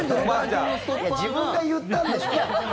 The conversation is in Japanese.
自分が言ったんでしょ！